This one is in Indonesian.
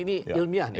ini ilmiah nih